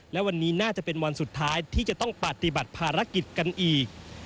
และวันนี้น่าจะเป็นวันสุดท้ายที่จะต้องปฏิบัติภารกิจกันอีก